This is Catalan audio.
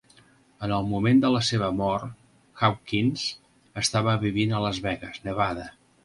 En el moment de la seva mort, Hawkins estava vivint a Las Vegas, Nevada.